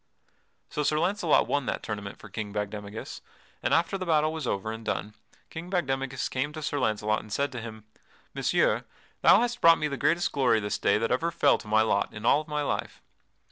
So Sir Launcelot won that tournament for King Bagdemagus, and after the battle was over and done King Bagdemagus came to Sir Launcelot and said to him: "Messire, thou hast brought to me the greatest glory this day that ever fell to my lot in all of my life.